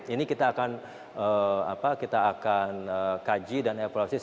ini kita akan kaji dan evaluasi secara fasilitas